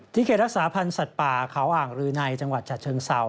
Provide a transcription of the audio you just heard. เขตรักษาพันธ์สัตว์ป่าเขาอ่างรือในจังหวัดฉะเชิงเศร้า